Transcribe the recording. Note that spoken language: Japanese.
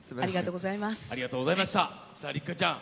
六花ちゃん